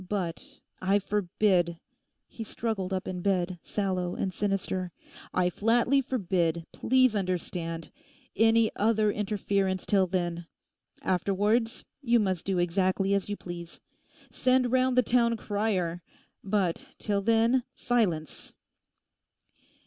But I forbid'—he struggled up in bed, sallow and sinister—'I flatly forbid, please understand, any other interference till then. Afterwards you must do exactly as you please. Send round the Town Crier! But till then, silence!